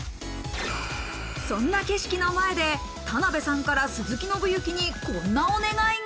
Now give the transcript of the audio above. そんな景色の前で田辺さんから鈴木伸之にこんなお願いが。